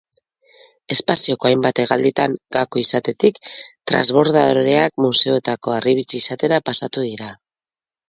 Espazioko hainbat hegalditan gako izatetik, transbordadoreak museoetako harribitxi izatera pasa dira.